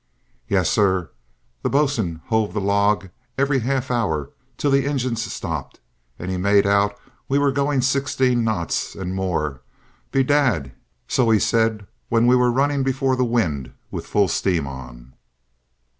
"Yes, sor. The bo'sun hove the log ivery half hour till the engines stopped, an' he made out we were going sixteen knots an' more, bedad, so he s'id, whin we were running before the wind with full shtame on."